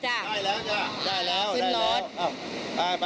ได้แล้ว